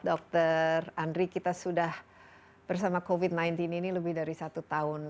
dr andri kita sudah bersama covid sembilan belas ini lebih dari satu tahun